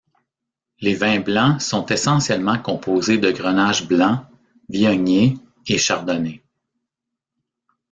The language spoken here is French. Les vins blancs sont essentiellement composés de grenache blanc, viognier et chardonnay.